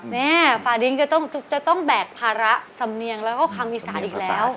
แม่ฟาดิ้งจะต้องแบกภาระสำเนียงแล้วก็ความอีสานอีกแล้ว